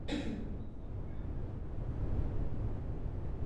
Hlavní železniční trať vede z Brna do Havlíčkova Brodu.